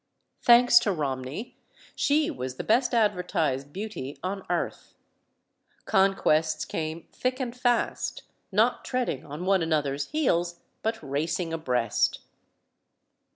Thanks to Romney, she was the best advertised beauty on earth. Conquests came thick and fast, not treading on one another's heels, but racing abreast.